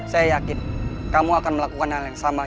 saya yakin kamu akan melakukan hal yang sama